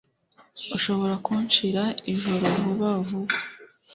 Ushobora kunshira ijoro vuba vuba?